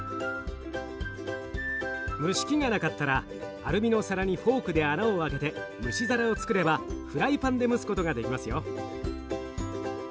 蒸し器がなかったらアルミのお皿にフォークで穴を開けて蒸し皿をつくればフライパンで蒸すことができますよ。